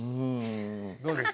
どうです？